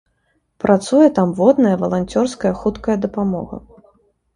Працуе там водная валанцёрская хуткая дапамога.